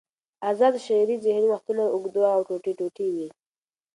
آزاد شعر ځینې وختونه اوږد او ټوټې ټوټې وي.